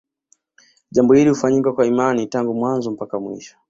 Jambo hili hufanyika kwa imani tangu mwanzo mpaka mwisho